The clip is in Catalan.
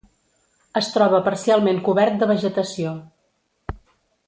Es troba parcialment cobert de vegetació.